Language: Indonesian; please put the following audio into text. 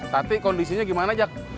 tadi kondisinya gimana jak